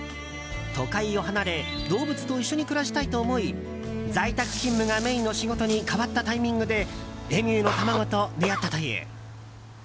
都会を離れ動物と一緒に暮らしたいと思い在宅勤務がメインの仕事に変わったタイミングでエミューの卵と出会ったという。